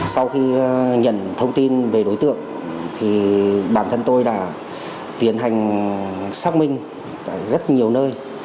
sau khi nhận thông tin về đối tượng thì bản thân tôi đã tiến hành xác minh tại rất nhiều nơi